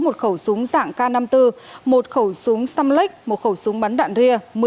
một khẩu súng dạng k năm mươi bốn một khẩu súng xăm lách một khẩu súng bắn đạn ria